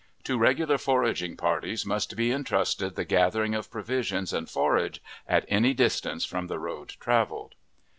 To regular foraging parties must be intrusted the gathering of provisions and forage, at any distance from the road traveled.